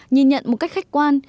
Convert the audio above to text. nhìn nhận một cách khách quan